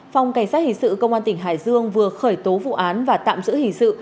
phòng cảnh sát hình sự công an tp hcm vừa khởi tố vụ án và tạm giữ hình sự